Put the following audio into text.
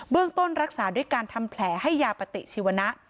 ต้นรักษาด้วยการทำแผลให้ยาปฏิชีวนะ